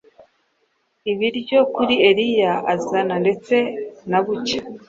Ibiryo kuri Eliya azana Ndete na bucya,